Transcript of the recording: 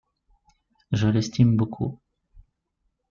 Je l’estime beaucoup.